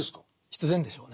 必然でしょうね。